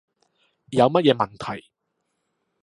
有乜嘢問題